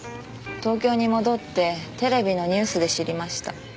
東京に戻ってテレビのニュースで知りました。